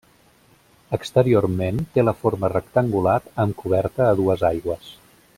Exteriorment té la forma rectangular amb coberta a dues aigües.